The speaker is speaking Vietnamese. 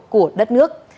của đất nước